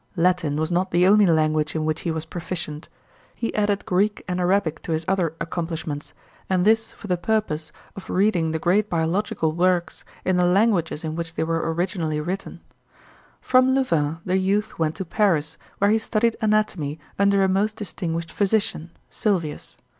Latin was not the only language in which he was proficient; he added Greek and Arabic to his other accomplishments, and this for the purpose of reading the great biological works in the languages in which they were originally written. From Louvain the youth went to Paris, where he studied anatomy under a most distinguished physician, Sylvius.